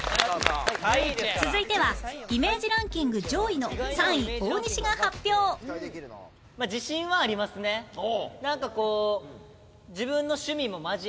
続いてはイメージランキング上位の３位大西が発表！なんかこう。